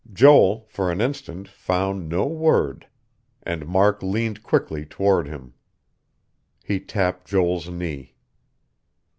Joel, for an instant, found no word; and Mark leaned quickly toward him. He tapped Joel's knee.